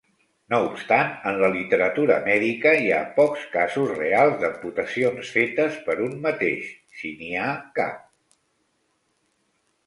No obstant, en la literatura mèdica hi ha pocs casos reals d'amputacions fetes per un mateix, si n'hi ha cap.